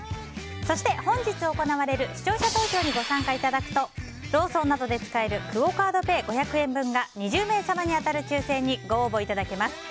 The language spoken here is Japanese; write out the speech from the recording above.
そして本日行われる視聴者投票にご参加いただくとローソンなどで使えるクオ・カードペイ５００円分が２０名様に当たる抽選にご応募いただけます。